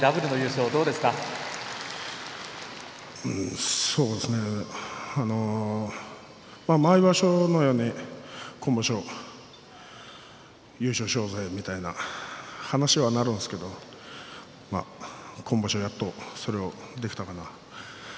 そうですね毎場所のように今場所優勝しようぜみたいな話にはなるんですけれど今場所やっとそれができたかな。